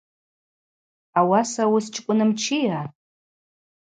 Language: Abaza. Ауаса уызчкӏвынмчыйа?